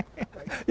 いや、